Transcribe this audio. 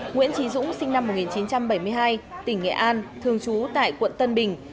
nguyễn trí dũng sinh năm một nghìn chín trăm bảy mươi hai tỉnh nghệ an thường trú tại quận tân bình